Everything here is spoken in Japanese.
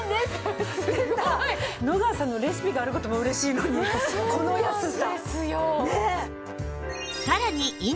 すごい！野川さんのレシピがある事も嬉しいのにこの安さ！